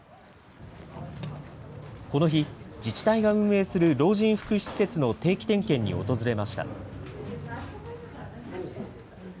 この日、自治体が運営する老人福祉施設の定期点検に訪れました。